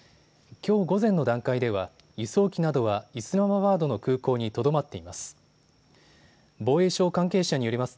きょう午前の段階では輸送機などはイスラマバードの空港にとどまっています。